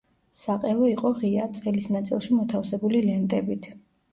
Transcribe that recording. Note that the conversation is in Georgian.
საყელო იყო ღია, წელის ნაწილში მოთავსებული ლენტებით.